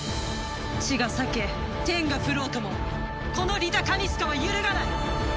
地が裂け天が降ろうともこのリタ・カニスカは揺るがない！